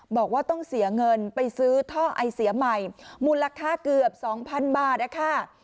บอกว่าต้องเสียเงินไปซื้อท่อไอเสียใหม่มูลค่าเกือบ๒๐๐๐บาทนะคะ